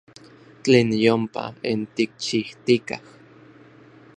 Tlen yompa n tikchijtikaj.